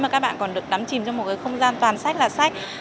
mà các bạn còn được đắm chìm trong một cái không gian toàn sách là sách